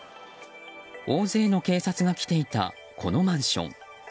大勢の警察が来ていたこのマンション。